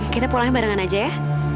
kita pulangnya barengan aja ya